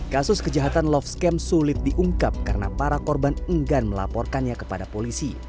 kasus kejahatan love scam sulit diungkap karena para korban enggan melaporkannya kepada polisi